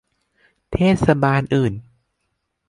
เทศบาลอื่น